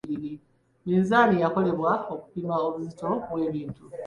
Minzaani yakolebwa kupima buzito bwa bintu.